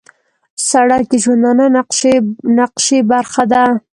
سړک د ژوندانه نقشې برخه ده.